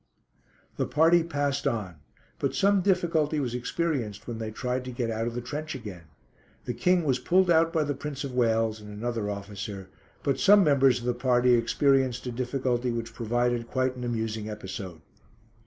The party passed on, but some difficulty was experienced when they tried to get out of the trench again. The King was pulled out by the Prince of Wales, and another officer, but some members of the party experienced a difficulty which provided quite an amusing episode.